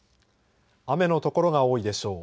雨の所が多いでしょう。